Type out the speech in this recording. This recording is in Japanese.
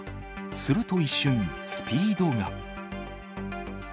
すると、一瞬、スピードが。